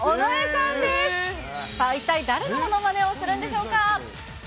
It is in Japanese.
さあ一体、誰のものまねをするんでしょうか。